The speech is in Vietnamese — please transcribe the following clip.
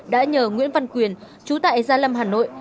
đã nhờ nguyễn văn quyền chú tại gia lâm hà nội